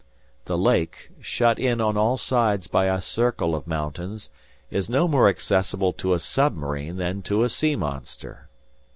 The lake, shut in on all sides by a circle of mountains, is no more accessible to a submarine than to a sea monster.